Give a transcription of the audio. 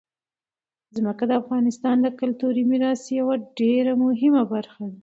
ځمکه د افغانستان د کلتوري میراث یوه ډېره مهمه برخه ده.